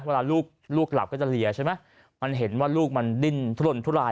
เวลาลูกลูกหลับก็จะเลียใช่ไหมมันเห็นว่าลูกมันดิ้นทุรนทุราย